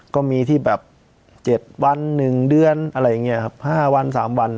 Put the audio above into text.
ก็มีที่แบบเจ็บวันหนึ่งเดือนอะไรอย่างเงี้ยครับห้าวันสามวัน